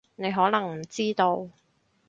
你可能唔知道